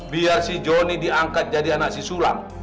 biar si joni diangkat jadi anak si sulam